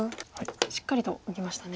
しっかりと受けましたね。